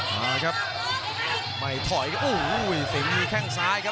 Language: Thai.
อ๋ออะไรครับไม่ถอยครับโอ้โหซิงค์มีแข่งสายครับ